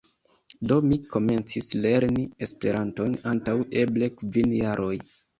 Do mi komencis lerni Esperanton antaŭ eble kvin jaroj.